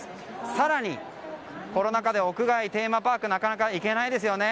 更に、コロナ禍で屋外やテーマパークなかなか行けないですよね。